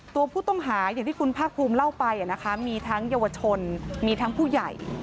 ตัวผู้ต้องหาอย่างที่คุณภาคภูมิเล่าไปนะคะมีทั้งเยาวชนมีทั้งผู้ใหญ่